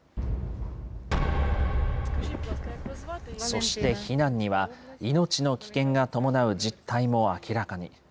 そして避難には命の危険が伴う実態も明らかに。